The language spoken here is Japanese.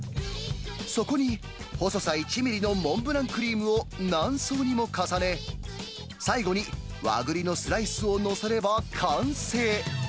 そこに、細さ１ミリのモンブランクリームを何層にも重ね、最後に和栗のスライスを載せれば完成。